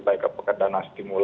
baik ke pekerjaan dan ke stimulasi